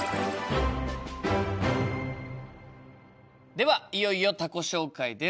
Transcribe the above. ではいよいよ他己紹介です。